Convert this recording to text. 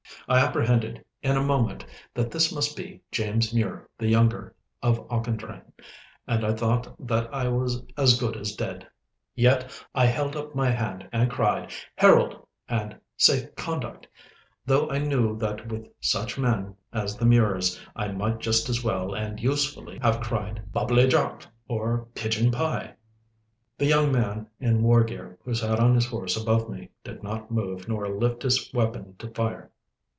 I apprehended in a moment that this must be James Mure the younger of Auchendrayne, and I thought that I was as good as dead. Yet I held up my hand and cried, 'Herald!' and 'Safe Conduct!' Though I knew that with such men as the Mures I might just as well and usefully have cried 'Bubbly Jock!' or 'Pigeon Pie!' The young man in war gear who sat his horse above me, did not move nor lift his weapon to fire.